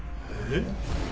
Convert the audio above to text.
えっ？